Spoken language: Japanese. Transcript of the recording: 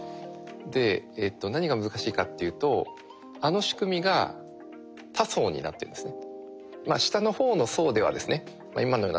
何が難しいかっていうとあの仕組みが多層になってるんですね。